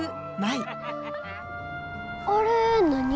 あれ何？